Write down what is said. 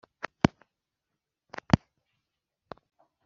nyuma y'amanama menshi yagiranye na perezida museveni,